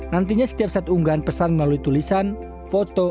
nantinya setiap satu unggahan pesan melalui tulisan foto